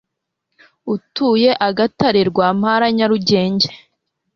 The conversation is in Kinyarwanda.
utuye Agatare Rwampala Nyarugenge